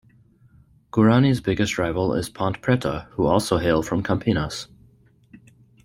Guarani's biggest rival is Ponte Preta, who also hail from Campinas.